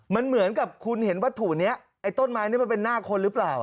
มันเหมือนกับคุณเห็นวัตถุนี้ไอ้ต้นไม้นี่มันเป็นหน้าคนหรือเปล่า